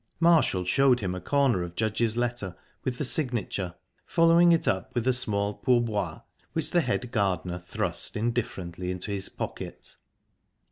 Marshall showed him a corner of Judge's letter, with the signature, following it up with a small pourboire, which the head gardener thrust indifferently into his pocket.